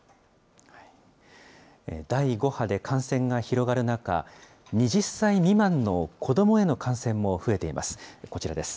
第５波で感染が広がる中、２０歳未満の子どもへの感染も増えています。